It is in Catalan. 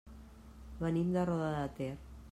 Venim de Roda de Ter.